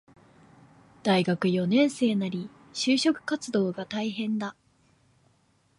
大学四年生なり、就職活動が大変だ